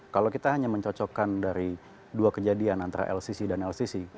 kalau kita hanya mencocokkan dari dua kejadian antara lcc dan lcc